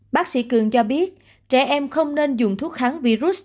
bác sĩ cường cho biết trẻ em không nên dùng thuốc kháng virus